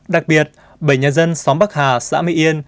đặc biệt bảy nhà dân xóm bắc hà xã mỹ yên